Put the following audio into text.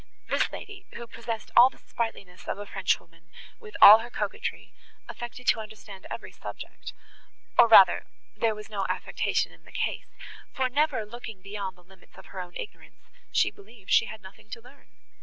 This lady, who possessed all the sprightliness of a Frenchwoman, with all her coquetry, affected to understand every subject, or rather there was no affectation in the case; for, never looking beyond the limits of her own ignorance, she believed she had nothing to learn.